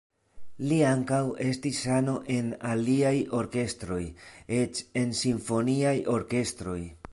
Li ankaŭ estis ano en aliaj orkestroj, eĉ en simfoniaj orkestroj.